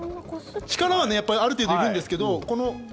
力はある程度いるんですけれども。